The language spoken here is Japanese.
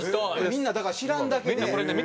みんなだから知らんだけで。